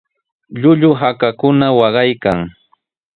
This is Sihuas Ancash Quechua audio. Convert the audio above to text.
Llullu hakakuna waqaykan.